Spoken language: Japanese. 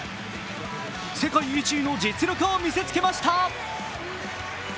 世界１位の実力を見せつけました。